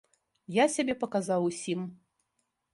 Я сябе паказаў усім.